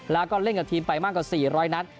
แล้วก็เล่นกับทีมไปมากกว่า๔๐๐นัด